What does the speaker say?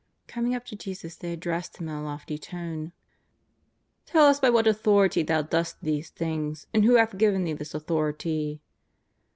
Coming up to Jesus, they ad dressed Him in a lofty tone :^' Tell us by what authority Thou dost these things, and who hath giA^en Thee this authority."